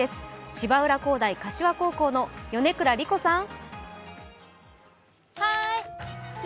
芝浦工大柏高校の米倉里虹さん。